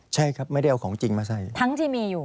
ใช่ครับไม่ได้เอาของจริงมาใส่